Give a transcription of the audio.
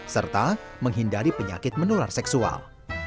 serta menghindari penyakit menular seksual